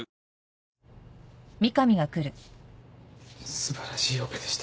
・すばらしいオペでした。